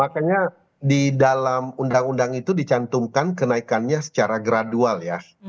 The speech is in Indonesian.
makanya di dalam undang undang itu dicantumkan kenaikannya secara gradual ya